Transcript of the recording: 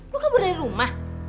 lo kabur dari rumah